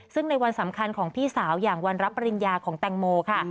ซึ่งในวันสำคัญของพี่สาวอย่างวันรับปริญญาของแตงโมค่ะ